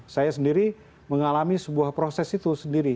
saya sendiri mengalami sebuah proses itu sendiri